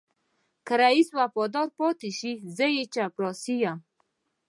که رئيس وفادار پاتې شي زه يې چپړاسی یم.